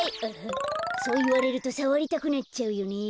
そういわれるとさわりたくなっちゃうよね。